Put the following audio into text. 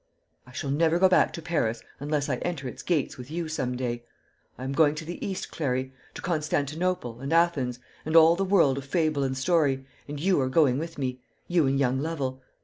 "I shall never go back to Paris unless I enter its gates with you some day. I am going to the East, Clary; to Constantinople, and Athens, and all the world of fable and story, and you are going with me you and young Lovel.